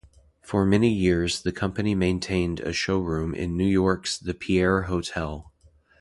For many years the company maintained a showroom in New York's The Pierre Hotel.